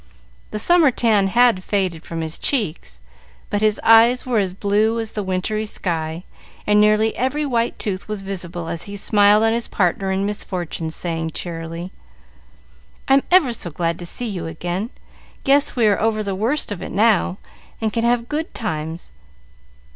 The summer tan had faded from his cheeks, but his eyes were as blue as the wintry sky, and nearly every white tooth was visible as he smiled on his partner in misfortune, saying cheerily, "I'm ever so glad to see you again; guess we are over the worst of it now, and can have good times.